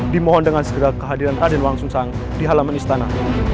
dimohon dengan segera kehadiran raden wangsun sang di halaman istana